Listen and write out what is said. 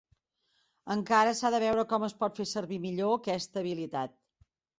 Encara s'ha de veure com es pot fer servir millor aquesta habilitat.